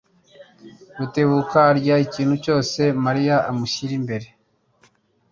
Rutebuka arya ikintu cyose Mariya amushyira imbere.